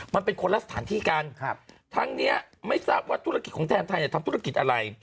มันเป็นคนละสถานที่กันทั้งนี้ไม่ทราบว่าธุรกิจของแทนไทยเนี่ยทำธุรกิจอะไร